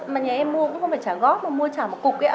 mà nhà em mua cũng không phải trả góp mà mua trả một cục nữa